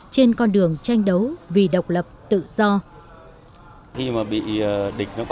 trên con đường tranh đấu vì độc lập tự do